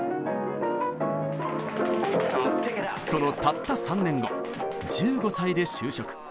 そのたった３年後１５歳で就職。